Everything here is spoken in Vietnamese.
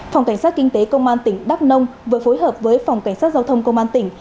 phòng cảnh sát kinh tế công an tỉnh đắk nông vừa phối hợp với phòng cảnh sát giao thông công an tỉnh